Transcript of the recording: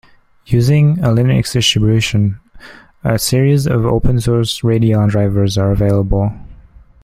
Using a Linux distribution a series of open source Radeon drivers are available.